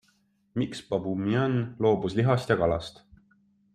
Miks Baboumian loobus lihast ja kalast?